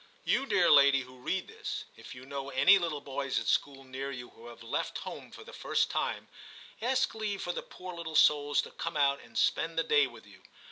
You, dear lady, who read this, if you know any little boys at school near you who have left V TIM 99 home for the first time, ask leave for the poor little souls to come out and spend the day with you.